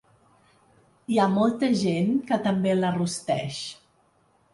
Hi ha molta gent que també la rosteix.